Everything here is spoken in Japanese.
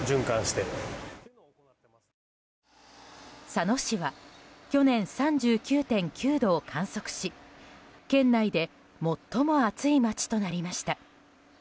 佐野市は去年３９．９度を観測し県内で最も暑い街となりました。